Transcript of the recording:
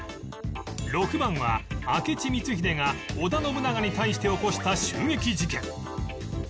６番は明智光秀が織田信長に対して起こした襲撃事件